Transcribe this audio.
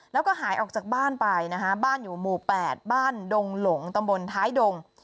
แล้วก็หายออกจากบ้านไปนะคะบ้านอยู่หมู่๘บ้านดงหลงตำบลท้ายดง